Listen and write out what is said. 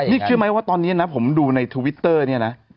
นี่เชื่อไหมว่าตอนนี้นะผมดูในทวิตเตอร์เนี่ยนะ